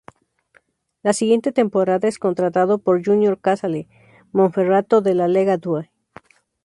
La siguiente temporada es contratado por Junior Casale Monferrato de la Lega Due.